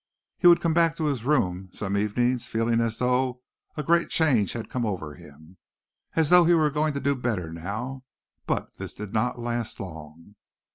He would come back to his room some evenings feeling as though a great change had come over him, as though he were going to do better now; but this did not last long.